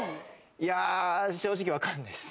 いやー、正直分かんないです。